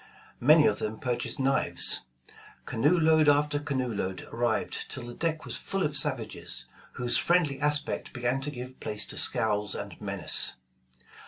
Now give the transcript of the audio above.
Many of them purchased knives. Canoe load after canoe load arrived till the deck was full of savages, whose friendly aspect began to give place to scowls and menace.